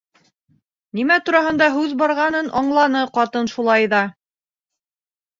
Нимә тураһында һүҙ барғанын аңланы ҡатын, шулай ҙа: